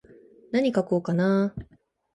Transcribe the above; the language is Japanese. なに書こうかなー。